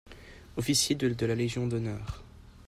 Officier de la légion d'honneur.